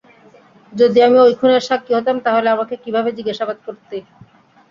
যদি আমি ঐ খুনের সাক্ষী হতাম, তাহলে আমাকে কিভাবে জিজ্ঞাসাবাদ করতি?